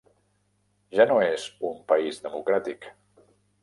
Ja no és un país democràtic.